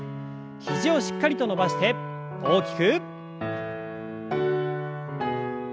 肘をしっかりと伸ばして大きく。